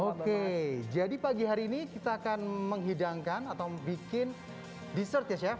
oke jadi pagi hari ini kita akan menghidangkan atau bikin dessert ya chef